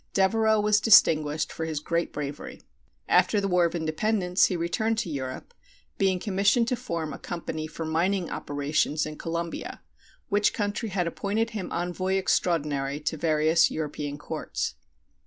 Devereux was distinguished for his great bravery. After the War of Independence he returned to Europe, being commissioned to form a company for mining operations in Colombia, which country had appointed him envoy extraordinary to various European courts.